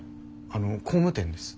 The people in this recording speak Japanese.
あの工務店です。